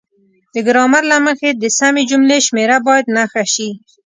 د ګرامر له مخې د سمې جملې شمیره باید نښه شي.